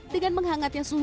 dengan menghangatnya suhu